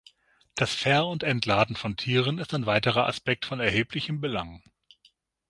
Das Ver- und Entladen von Tieren ist ein weiterer Aspekt von erheblichem Belang.